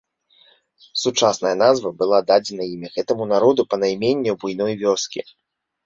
Сучасная назва была дадзена імі гэтаму народу па найменню буйной вёскі.